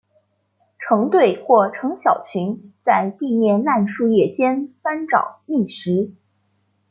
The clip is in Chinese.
成对或成小群在地面烂树叶间翻找觅食。